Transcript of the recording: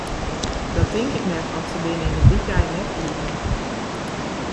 Dat tink ik net, want se binne yn it wykein net iepen.